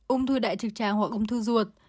ung thư đại trực trang hoặc ung thư ruột